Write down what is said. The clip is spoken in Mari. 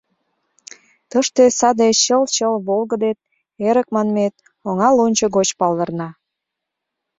Тыште саде чыл-чыл волгыдет, эрык манмет, оҥа лончо гоч палдырна.